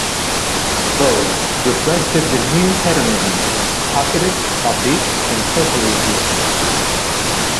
'Vogue' reflected the new hedonism; positive, upbeat, and totally inclusive.